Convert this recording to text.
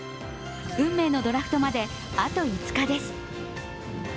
運命のドラフトまであと５日です。